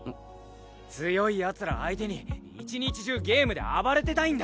強い奴ら相手に一日中ゲームで暴れてたいんだ。